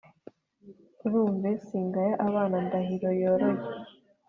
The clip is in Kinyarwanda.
urumve, singaya abana ndahiro yoroye